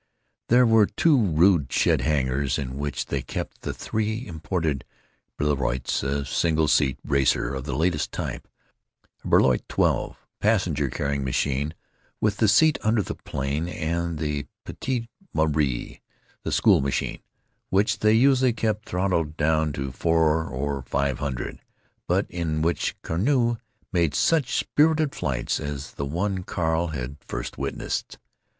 There were two rude shed hangars in which they kept the three imported Blériots—a single seat racer of the latest type, a Blériot XII. passenger carrying machine with the seat under the plane, and "P'tite Marie," the school machine, which they usually kept throttled down to four hundred or five hundred, but in which Carmeau made such spirited flights as the one Carl had first witnessed.